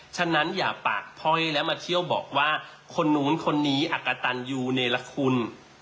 ฉะนั้นอย่าปากพ้อยและมาเที่ยวบอกว่าคนนู้นคนนี้อักกะตันยูเนรคุณ